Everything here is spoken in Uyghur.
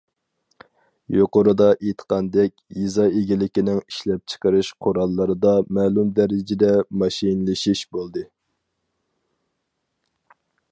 يۇقىرىدا ئېيتقاندەك، يېزا ئىگىلىكىنىڭ ئىشلەپچىقىرىش قوراللىرىدا مەلۇم دەرىجىدە ماشىنىلىشىش بولدى.